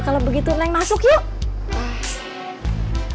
kalau begitu neng masuk yuk